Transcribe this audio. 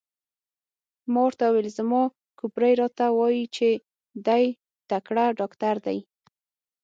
ما ورته وویل: زما کوپړۍ راته وایي چې دی تکړه ډاکټر دی.